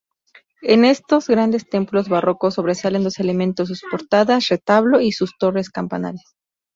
En estos grandes templos barrocos sobresalen dos elementos: sus portadas-retablo y sus torres-campanario.